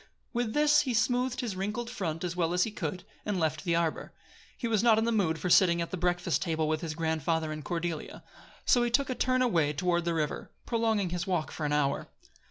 With this he smoothed his wrinkled front as well as he could, and left the arbor. He was not in the mood for sitting at the breakfast table with his grandfather and Cordelia; so he took a turn away toward the river, prolonging his walk for an hour.